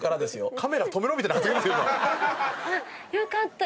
「カメラ止めろ」みたいな発言ですよ。